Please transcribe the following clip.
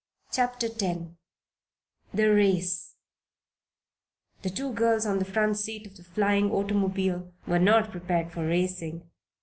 CHAPTER X THE RACE The two girls on the front seat of the flying automobile were not prepared for racing.